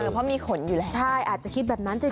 เพราะมีขนอยู่แล้วใช่อาจจะคิดแบบนั้นจริง